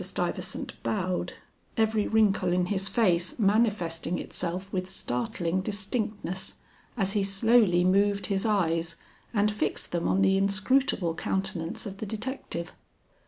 Stuyvesant bowed, every wrinkle in his face manifesting itself with startling distinctness as he slowly moved his eyes and fixed them on the inscrutable countenance of the detective.